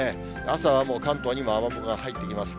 朝はもう関東にも雨雲が入ってきます。